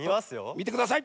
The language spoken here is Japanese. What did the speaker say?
みてください！